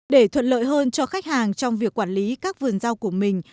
để thuận lợi hơn cho khách hàng trong việc quản lý các vườn rau của mình